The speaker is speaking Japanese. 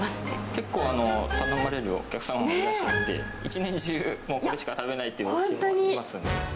結構、頼まれるお客さんもいらっしゃって、一年中これしか食べないっていうお客さんもいますね。